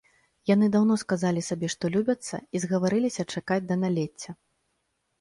Яны даўно сказалі сабе, што любяцца, і згаварыліся чакаць да налецця.